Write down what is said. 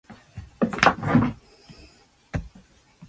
あなたのことが好き。